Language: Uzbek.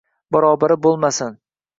Barobari bo’lmasin